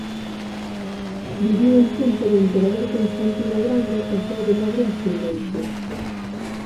Viviu en tempo do emperador Constantino o Grande e foi de nobre ascendencia.